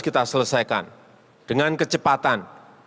pak president p lembar